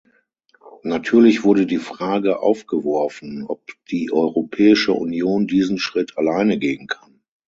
Natürlich wurde die Frage aufgeworfen, ob die Europäische Union diesen Schritt alleine gehen kann.